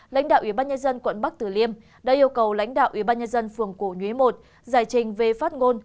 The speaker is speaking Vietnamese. lãnh đạo ubnd quận bắc tử liêm đã yêu cầu lãnh đạo ubnd phường cổ nhuế i giải trình về phát ngôn